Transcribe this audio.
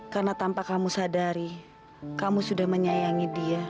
karena tanpa kamu sadari kamu sudah menyayangi dia